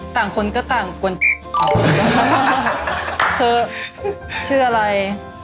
คนก็ต่างกวนคือชื่ออะไร